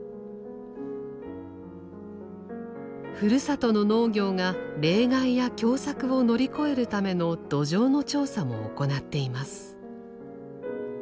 ふるさとの農業が冷害や凶作を乗り越えるための土壌の調査も行っています。